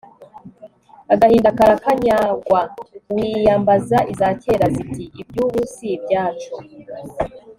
agahinda karakanyagwa, wiyambaza iza kera ziti iby'ubu si ibyacu